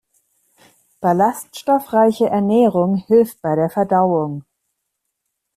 Ballaststoffreiche Ernährung hilft bei der Verdauung.